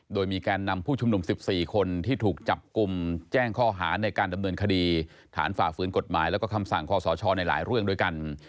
โดยมีแกนนำผู้ชุมนุม๑๔คนที่ถูกจับกลุ่มแจ้งข้อหาในการดำเนินคดีฐานฝ่าฝืนกฎหมายแล้วก็คำสั่งคอสชในหลายเรื่องด้วยกัน